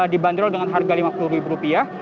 dibanderol dengan harga lima puluh ribu rupiah